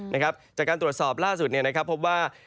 จากการตรวจสอบล่าสุดพบว่า